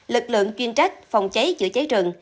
lực lượng chuyên trách phòng cháy chữa cháy rừng